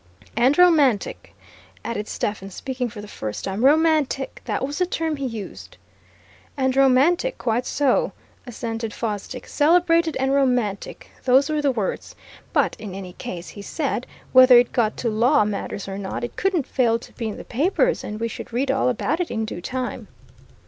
"And romantic," added Stephens, speaking for the first time. "Romantic! That was the term he used." "And romantic quite so," assented Fosdick. "Celebrated and romantic those were the words. But in any case, he said, whether it got to law matters or not, it couldn't fail to be in the papers, and we should read all about it in due time."